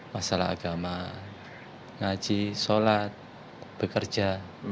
masalah agama ngaji sholat bekerja